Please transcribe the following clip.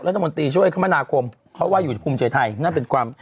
รัฐมนตรีช่วยธรรมนากรมเขาว่าอยู่ภูมิเจอิฐัยนั่นเป็นความ